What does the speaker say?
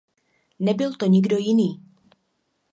Nebyl to nikdo jiný.